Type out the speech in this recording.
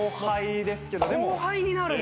後輩になるんだ。